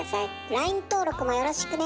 ＬＩＮＥ登録もよろしくね。